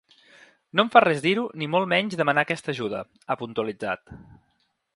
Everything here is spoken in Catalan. “No em fa res dir-ho, ni molt menys demanar aquesta ajuda”, ha puntualitzat.